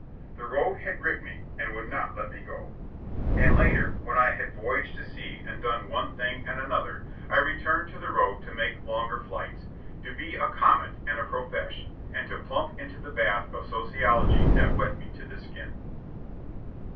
The Road had gripped me and would not let me go; and later, when I had voyaged to sea and done one thing and another, I returned to The Road to make longer flights, to be a "comet" and a profesh, and to plump into the bath of sociology that wet me to the skin.